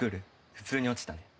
普通に落ちたね。